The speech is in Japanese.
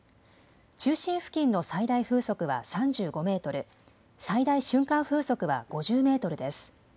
中心付近の最大風速は３５メートル、最大瞬間風速は５０メートルです。